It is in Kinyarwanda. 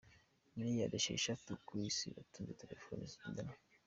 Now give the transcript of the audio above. Miliyari esheshatu ku isi batunze telefone zigendanwa